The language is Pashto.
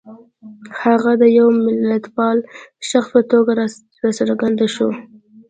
هغه د یوه ملتپال شخص په توګه را څرګند شو.